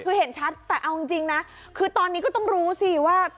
คือเห็นชัดแต่เอาจริงนะคือตอนนี้ก็ต้องรู้สิว่า